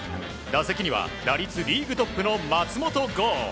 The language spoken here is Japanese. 打席には打率リーグトップの松本剛。